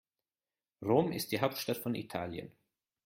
Rom ist die Hauptstadt von Italien.